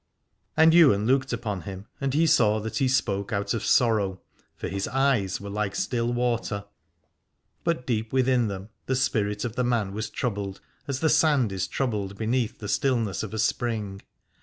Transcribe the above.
And Ywain looked upon him and he saw that he spoke out of sorrow : for his eyes were like still water, but deep within them the spirit of the man was troubled, as the sand is troubled beneath the stillness of a spring.